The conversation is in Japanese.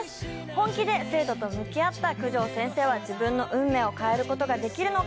本気で生徒と向き合った九条先生は自分の運命を変えることができるのか？